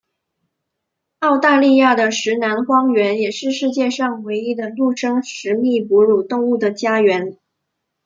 澳大利亚的石楠荒原也是世界上唯一的陆生食蜜哺乳动物的家园。